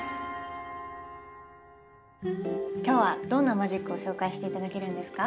今日はどんなマジックを紹介して頂けるんですか？